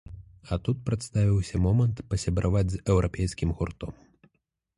А тут прадставіўся момант пасябраваць з еўрапейскім гуртом.